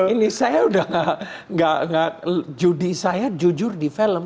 ini saya udah gak judi saya jujur di film